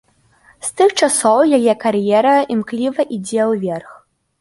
З тых часоў яе кар'ера імкліва ідзе ўверх.